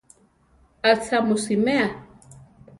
Atza mu simea? ‒.